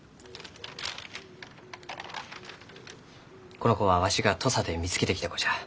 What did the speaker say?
この子はわしが土佐で見つけてきた子じゃ。